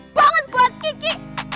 banget buat kiki